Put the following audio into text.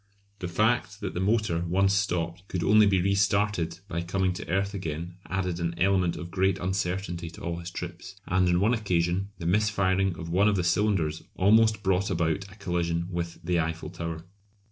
The fact that the motor, once stopped, could only be restarted by coming to earth again added an element of great uncertainty to all his trips; and on one occasion the mis firing of one of the cylinders almost brought about a collision with the Eiffel Tower.